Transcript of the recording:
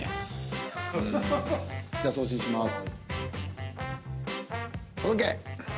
じゃ送信します。